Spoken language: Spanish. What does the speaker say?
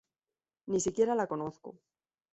Ni siquiera la conozco.